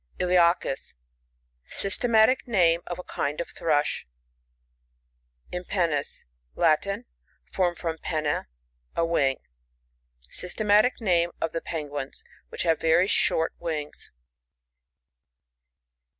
Iliacus. — Systematic name of a kind of Thrush, Impbnnis. — Latin, (formed from pen^ na, a wing.) Systematic name of the Penguins which have very shoit wings.